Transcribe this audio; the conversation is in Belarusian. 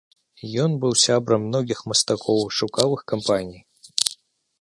Ён быў сябрам многіх мастакоў і шукаў іх кампаніі.